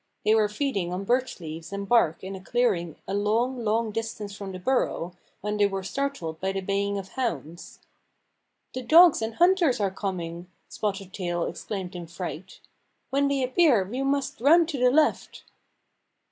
They were feeding on birch leaves and bark in a clear ing a long, long distance from the burrow when they were startled by the baying of hounds. <"The dogs and hunters are coming," Spotted Tail exclaimed in fright. "When they appear we must run to the left."